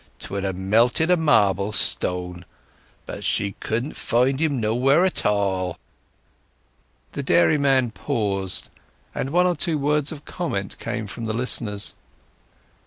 'Twould have melted a marble stone! But she couldn't find him nowhere at all." The dairyman paused, and one or two words of comment came from the listeners.